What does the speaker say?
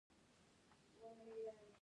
مس د افغانستان د طبیعي پدیدو یو رنګ دی.